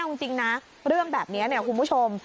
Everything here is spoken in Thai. เอาจริงนะเรื่องแบบนี้เนี่ยคุณผู้ชม